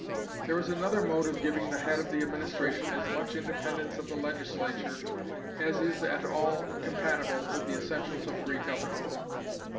There is another mode of giving the head of the administration as much independence of the Legislature as is at all compatible with the essentials of free government.